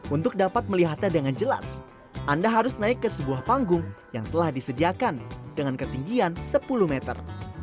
untuk dapat melihatnya dengan jelas anda harus naik ke sebuah panggung yang telah disediakan dengan ketinggian sepuluh meter